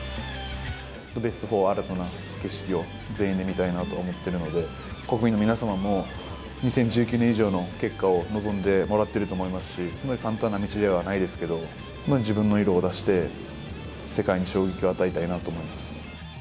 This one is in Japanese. ベスト４、新たな景色を全員で見たいなと思ってるので、国民の皆様も、２０１９年以上の結果を望んでもらってる思いますし、簡単な道ではないですけど、自分の色を出して、世界に衝撃を与えたいなと思います。